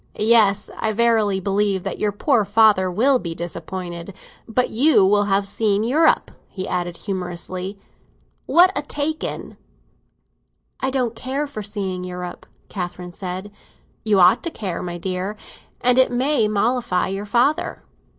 "Yes, I verily believe that your poor father will be disappointed! But you will have seen Europe," he added humorously. "What a take in!" "I don't care for seeing Europe," Catherine said. "You ought to care, my dear. And it may mollify your father."